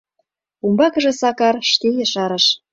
Умбакыже Сакар шке ешарыш: